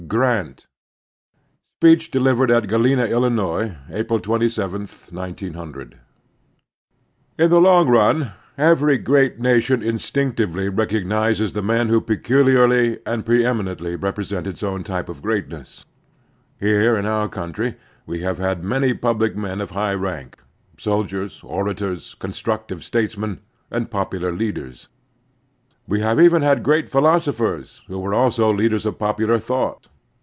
GRANT Speech Delivered at Galena, Illinois, April a7» zgoo W CHAPTER XIII. GRANT. IN the long run every great nation instinctively recognizes the men who peculiarly and pre eminently represent its own type of great ness. Here in otir country we have had many public men of high rank — soldiers, orators, con structive statesmen, and popular leaders. We have even had great philosophers who were also leaders of popular thought.